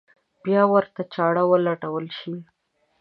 بیا ورته چاره ولټول شي.